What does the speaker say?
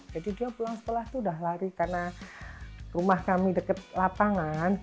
jadi dia pulang sekolah tuh udah lari karena rumah kami deket lapangan